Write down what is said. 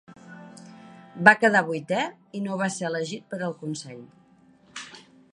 Va quedar vuitè i no va ser elegit per al consell.